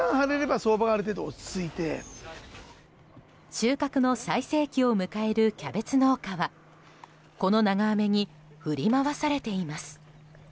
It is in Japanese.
収穫の最盛期を迎えるキャベツ農家はこの長雨に振り回されています。